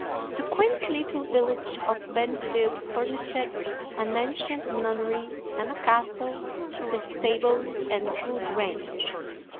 The quaint little village of Benfield furnished an ancient nunnery and a castle with stables and good range.